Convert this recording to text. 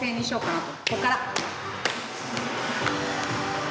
こっから！